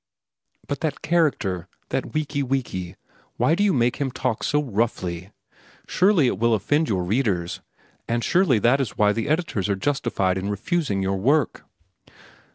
"But that character, that Wiki Wiki, why do you make him talk so roughly? Surely it will offend your readers, and surely that is why the editors are justified in refusing your work."